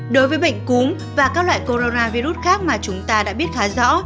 đối với bệnh cúm và các loại coronavirus khác mà chúng ta đã biết khá rõ